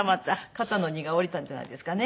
肩の荷が下りたんじゃないですかね。